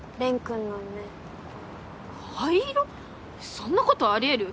そんなことあり得る？